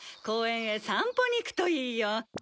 公園へ散歩に行くといいよ。